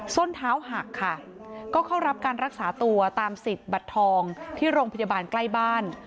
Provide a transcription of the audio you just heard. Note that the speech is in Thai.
ส้นเท้าหักค่ะก็เข้ารับการรักษาตัวตามสิทธิ์บัตรทองที่โรงพยาบาลใกล้บ้าน